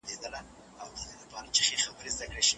ایا ته غواړې چي په خپل کور کي ناست ژبه زده کړې؟